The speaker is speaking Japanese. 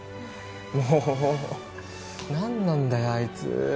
もうなんなんだよあいつ。